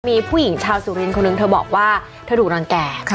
มีผู้หญิงชาวสุรินทร์คนหนึ่งเธอบอกว่าเธอถูกรังแก่